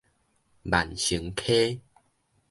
萬盛溪